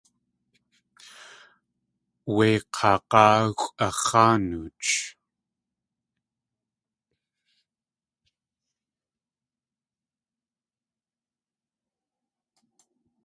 Wé k̲áa g̲áaxʼw ax̲áa nooch.